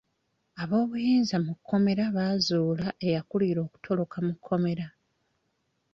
Ab'obuyinza mu kkomera baazuula eyakuulira okutoloka mu kkomera.